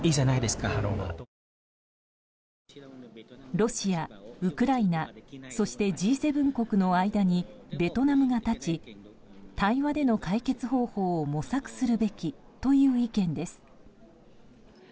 ロシア、ウクライナ、そしてＧ７国の間にベトナムが立ち対話での解決方法を模索するべきという意見です。